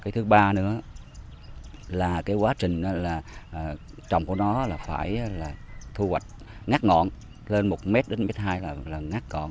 đó là cái quá trình là trồng của nó là phải thu hoạch ngắt ngọn lên một m đến một m hai là ngắt ngọn